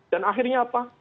dan akhirnya apa